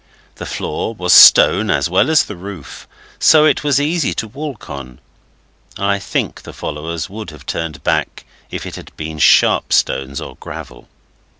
The floor was stone as well as the roof, so it was easy to walk on. I think the followers would have turned back if it had been sharp stones or gravel.